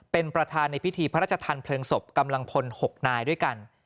เป็นประธานในพิธีพระราชทานเพลิงศพกำลังพล๖นายด้วยกัน